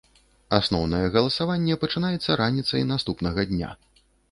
Асноўнае галасаванне пачынаецца раніцай наступнага дня.